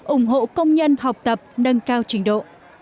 ủng hộ công nhân học tập nâng cao trình độ